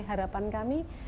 ini harapan kami